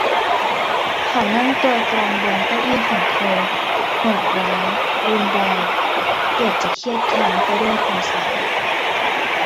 เขานั่งตัวตรงบนเก้าอี้ของเธอ โหดร้ายรุนแรง เกือบจะเคียดแค้นไปด้วยโทสะ